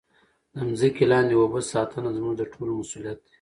د مځکې لاندې اوبو ساتنه زموږ د ټولو مسؤلیت دی.